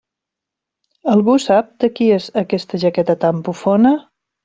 Algú sap de qui és aquesta jaqueta tan bufona?